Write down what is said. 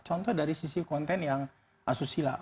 contoh dari sisi konten yang asusi lah